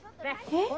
えっ？